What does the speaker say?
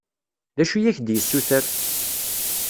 D acu i ak-d-yessuter?